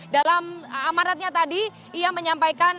dalam amaratnya tadi ia menyampaikan